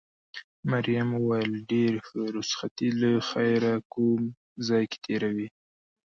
مريم وویل: ډېر ښه، رخصتي له خیره کوم ځای کې تېروې؟